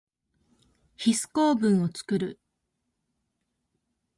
ヒス構文をつくる。